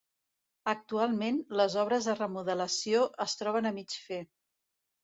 Actualment, les obres de remodelació es troben a mig fer.